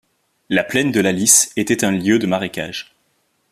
La plaine de la Lys était un lieu de marécages.